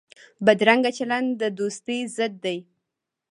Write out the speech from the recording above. بدرنګه چلند د دوستۍ ضد دی